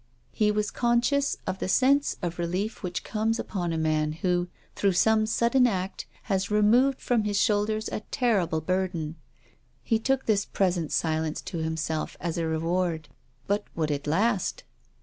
He was conscious of the sense of relief which comes upon a man who, through some sudden act, has removed from his shoulders a terrible burden. He took this present silence to himself as a reward. But would it last